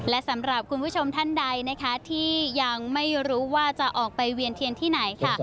และสำหรับคุณผู้ชมท่านใดนะคะที่ยังไม่รู้ว่าจะออกไปเวียนเทียนที่ไหนค่ะ